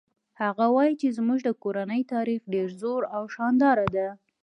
هغه وایي چې زموږ د کورنۍ تاریخ ډېر زوړ او شانداره ده